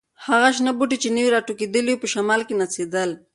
هغه شنه بوټي چې نوي راټوکېدلي وو، په شمال کې نڅېدل.